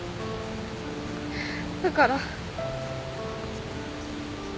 だから。